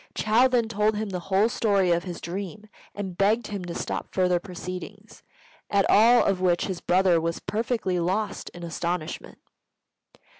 Chou then told him the whole story of his dream, and begged him to stop further proceedings; at all of which his brother was perfectly lost in astonishment.